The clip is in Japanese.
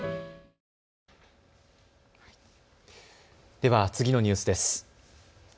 では次のニュースです。